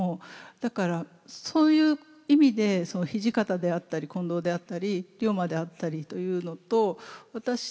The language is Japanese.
だからそういう意味で土方であったり近藤であったり竜馬であったりというのと私